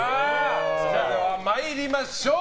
それでは参りましょう。